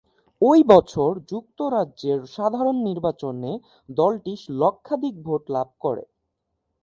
ঐ বছর যুক্তরাজ্যের সাধারণ নির্বাচনে দলটি লক্ষাধিক ভোট লাভ করে।